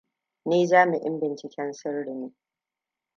Ni jami'in binciken sirri ne.